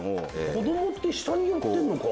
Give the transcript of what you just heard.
子供って下に寄ってんのか。